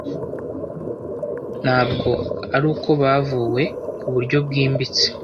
nabwo ari uko bavuwe ku buryo bwimbitse